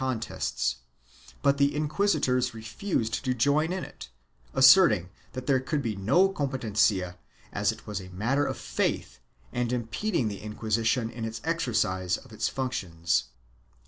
390 PRIVILEGES AND EXEMPTIONS [BOOK II contests, but the inquisitors refused to join in it, asserting that there could be no competencia, as it was a matter of faith and impeding the Inquisition in the exercise of its functions.